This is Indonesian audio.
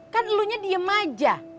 kan elunya diem aja